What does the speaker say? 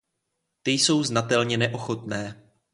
Ty jsou znatelně neochotné.